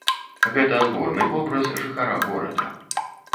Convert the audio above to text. Гэта зборны вобраз жыхара горада.